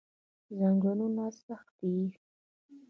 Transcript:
زنګونونه سخت دي.